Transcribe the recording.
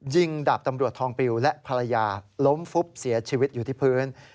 ดาบตำรวจทองปิวและภรรยาล้มฟุบเสียชีวิตอยู่ที่พื้น